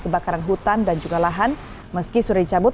kebakaran hutan dan juga lahan meski sudah dicabut